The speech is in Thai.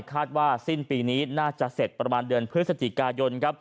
คาดว่าสิ้นปีนี้น่าจะเสร็จประมาณเดือนพฤศจิกายนครับ